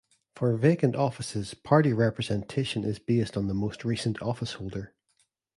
For vacant offices, party representation is based on the most recent officeholder.